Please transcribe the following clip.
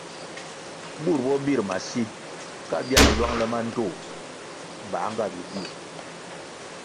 Bur bo bir masi, ka bia lwang le mandtoh bā nga bidiu.